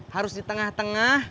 harus di tengah tengah